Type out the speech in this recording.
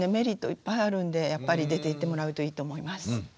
いっぱいあるんでやっぱり出て行ってもらうといいと思います。